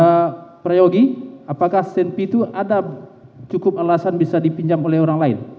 pada peryogi apakah senpi itu ada cukup alasan bisa dipinjam oleh orang lain